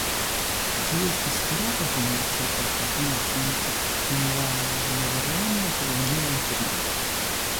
Ĝi estis grava komerca kaj havena centro dum la nederlanda koloniaj periodoj.